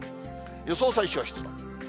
予想最小湿度。